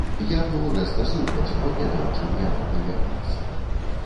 Я быў рэзка супраць, бо ведаў, чым яно павернецца.